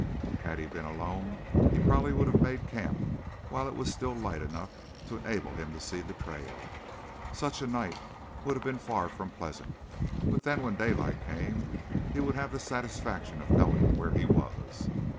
Had he been alone he probably would have made camp while it was still light enough to enable him to see the trail. Such a night would have been far from pleasant, but then when daylight came he would have the satisfaction of knowing where he was.